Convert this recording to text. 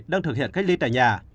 đang thực hiện cách ly tại nhà